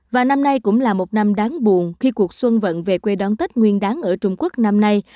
và năm nay cũng là một năm đáng buồn khi cuộc xuân vận về quê đón tết nguyên đáng ở trung quốc năm nay